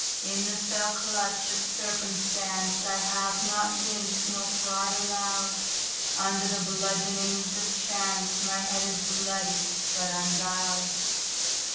In the fell clutch of circumstanceI have not winced nor cried aloud. Under the bludgeonings of chanceMy head is bloody, but unbowed.